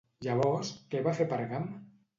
Llavors, què va fer Pergam?